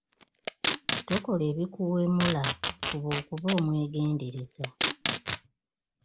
Tokola ebikuwemula fuba okuba omwegendereza.